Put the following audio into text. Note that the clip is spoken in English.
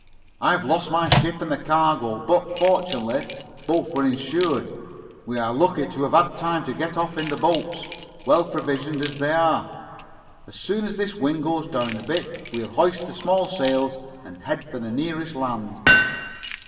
"I've lost my ship and the cargo, but, fortunately, both were insured. We are lucky to have had time to get off in the boats, well provisioned as they are. As soon as this wind goes down a bit we'll hoist the small sails and head for the nearest land."